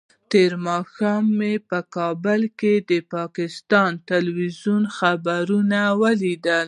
تېر ماښام مې په کابل کې د پاکستان د ټلویزیون خبریال ولید.